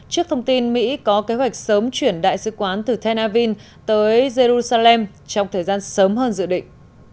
trước thông tin mỹ có kế hoạch sớm chuyển đại sứ quán từ tel aviv tới jerusalem trong thời gian sớm hơn dự định